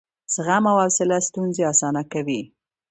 زغم او حوصله ستونزې اسانه کوي.